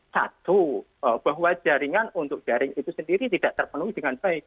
satu bahwa jaringan untuk jaring itu sendiri tidak terpenuhi dengan baik